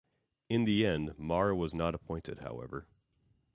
In the end, Mara was not appointed, however.